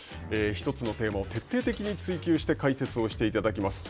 １つのテーマを徹底的に追求して解説をしていただきます。